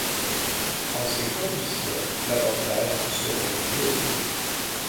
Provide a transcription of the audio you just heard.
En ces conditions, l’avantage serait pour eux.